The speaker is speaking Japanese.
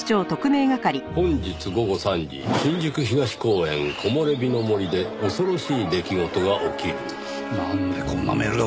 「本日午後三時新宿東公園『こもれびの森』で恐ろしい出来事が起きる」なんでこんなメールが俺に。